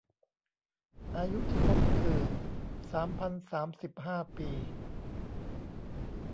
อายุที่พบคือ สามพันสามสิบห้า ปี